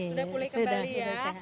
sudah pulih kembali ya